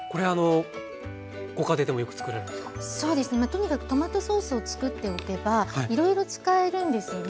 とにかくトマトソースをつくっておけばいろいろ使えるんですよね。